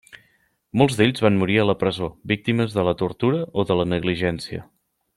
Molts d'ells van morir a la presó, víctimes de la tortura o de la negligència.